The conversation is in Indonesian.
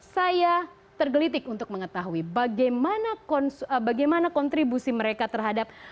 saya tergelitik untuk mengetahui bagaimana kontribusi mereka terhadap